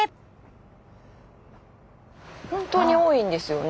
ホントに多いんですよね。